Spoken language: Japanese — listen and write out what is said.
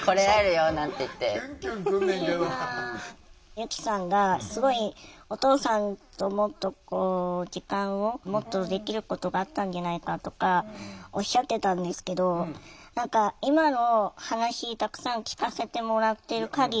由希さんがすごいお父さんともっとこう時間をもっとできることがあったんじゃないかとかおっしゃってたんですけど何か今の話たくさん聞かせてもらってる限りでは。